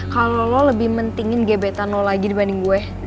kalau lo lebih mentingin gbtanol lagi dibanding gue